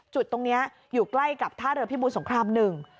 จุดตรงนี้อยู่ใกล้กับท่าเรือพิบูรสงครามหนึ่ง